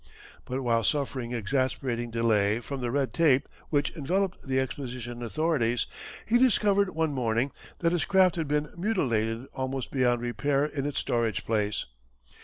But while suffering exasperating delay from the red tape which enveloped the exposition authorities, he discovered one morning that his craft had been mutilated almost beyond repair in its storage place.